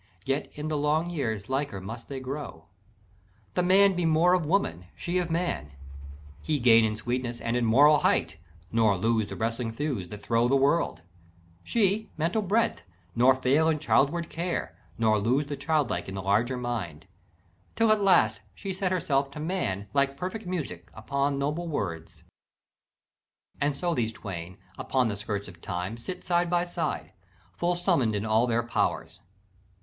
Yet in the long years liker must they grow; The man be more of woman, she of man; He gain in sweetness and in moral height, Nor lose the wrestling thews that throw the world; She mental breadth, nor fail in childward care, Nor lose the childlike in the larger mind; Till at last she set herself to man, Like perfect music unto noble words; And so these twain, upon the skirts of Time, Sit side by side, full summ'd in all their powers.